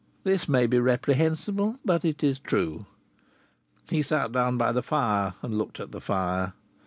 This may be reprehensible, but it is true. He sat down by the fire and looked at the fire.